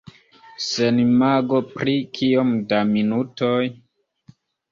Sen imago pri kiom da minutoj?